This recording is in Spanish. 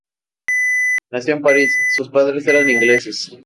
Aunque nació en París, sus padres eran ingleses.